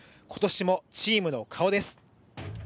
今年もチームの顔です。